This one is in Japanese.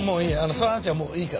その話はもういいから。